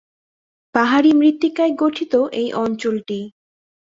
পাহাড়ী মৃত্তিকায় গঠিত এই অঞ্চলটি।